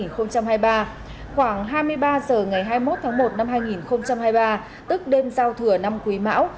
khoảng hai mươi ba h ngày hai mươi một tháng một năm hai nghìn hai mươi ba tức đêm giao thừa năm quý mão